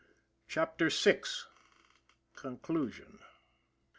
CHAPTER VI. CONCLUSION.